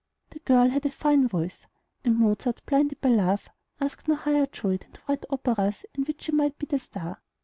The girl had a fine voice; and Mozart, blinded by love, asked no higher joy than to write operas in which she might be the star.